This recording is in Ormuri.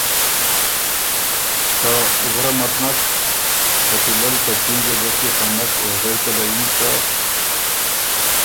که ”وُره مت نک؟“ شکیله ل په چینګه ګݭی خنک او غوېکه له یِن که